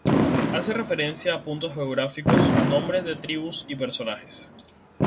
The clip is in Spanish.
Hace referencia a puntos geográficos, nombres de tribus y personajes.